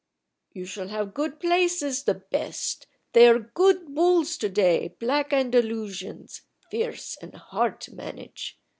"You shall have good places the best. They are good bulls to day, black Andalusians, fierce and hard to manage.